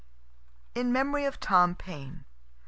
IN MEMORY OF THOMAS PAINE.